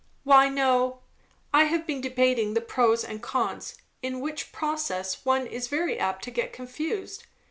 "Why no. I have been debating the pros. and cons.; in which process one is very apt to get confused.